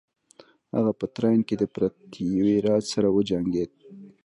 هغه په تراین کې د پرتیوي راج سره وجنګید.